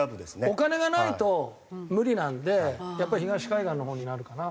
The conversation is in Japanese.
お金がないと無理なんでやっぱり東海岸のほうになるかな。